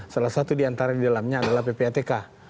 salah satu diantara di dalamnya adalah ppatk